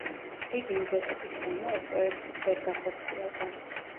რიგი მიზეზების გამო ეს პროექტიც ვერ გახორციელდა.